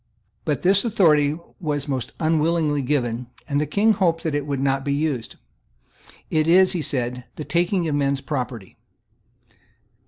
But this authority was most unwillingly given; and the King hoped that it would not be used. "It is," he said, "the taking of men's property."